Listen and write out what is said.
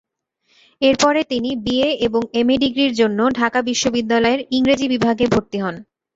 এরপরে তিনি বিএ এবং এমএ ডিগ্রির জন্য ঢাকা বিশ্ববিদ্যালয়ের ইংরেজি বিভাগে ভর্তি হন।